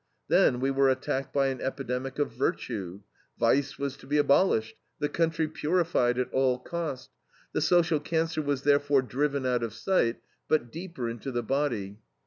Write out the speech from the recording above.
Then we were attacked by an epidemic of virtue. Vice was to be abolished, the country purified at all cost. The social cancer was therefore driven out of sight, but deeper into the body.